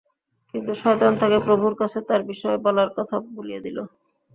কিন্তু শয়তান তাকে প্রভুর কাছে তার বিষয় বলার কথা ভুলিয়ে দিল।